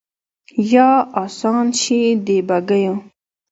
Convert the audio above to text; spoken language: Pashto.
یا آسان شي د بګیو